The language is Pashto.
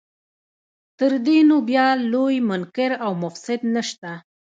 تر دې نو بیا لوی منکر او مفسد نشته.